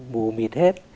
mù mịt hết